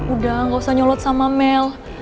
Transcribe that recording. udah gak usah nyolot sama mel